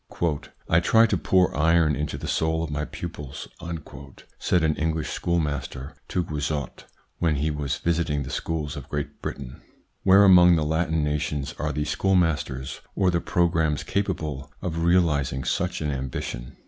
" I try to pour iron into the soul of my pupils," said an English schoolmaster to Guizot, when he was visiting the schools of Great Britain. Where among the Latin nations are the schoolmasters or the pro grammes capable of realising such an ambition